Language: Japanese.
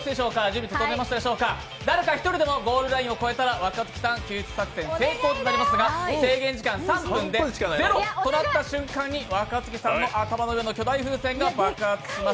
誰か１人でもゴールラインを越えたら若槻さん救出成功となりますが、制限時間３分でゼロ、止まった瞬間に若槻さんの頭の上の巨大風船が爆発します。